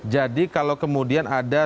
jadi kalau kemudian ada